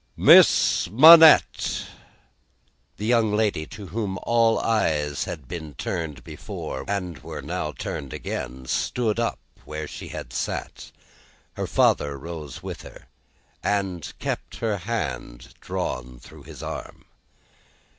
"Miss Manette!" The young lady, to whom all eyes had been turned before, and were now turned again, stood up where she had sat. Her father rose with her, and kept her hand drawn through his arm.